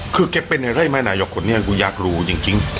คือแกเป็นอะไรไหมนายกคนนี้กูอยากรู้จริง